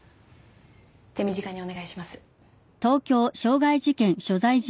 手短にお願いします。